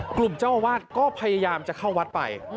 กลุ่มเจ้าอาวาสก็พยายามจะเข้าวัดไป